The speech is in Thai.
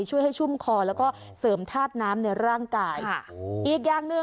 ช่วยให้ชุ่มคอแล้วก็เสริมธาตุน้ำในร่างกาย